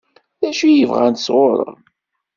D acu i bɣant sɣur-m?